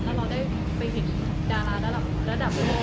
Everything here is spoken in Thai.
แล้วเราได้ไปเห็นดาลาภาพละดับโบรอบ